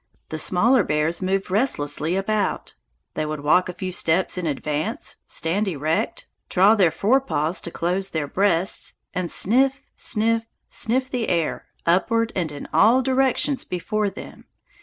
The smaller bears moved restlessly about; they would walk a few steps in advance, stand erect, draw their fore paws close to their breasts, and sniff, sniff, sniff the air, upward and in all directions before them.